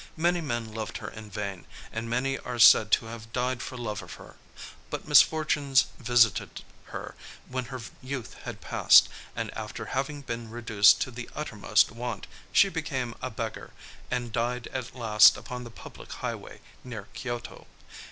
Many men loved her in vain; and many are said to have died for love of her. But misfortunes visited her when her youth had passed; and, after having been reduced to the uttermost want, she became a beggar, and died at last upon the public highway, near Kyōto.